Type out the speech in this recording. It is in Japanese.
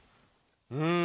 うん。